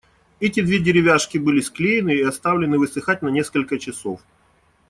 Эти две деревяшки были склеены и оставлены высыхать на насколько часов.